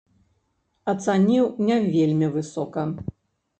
Ацаніў не вельмі высока.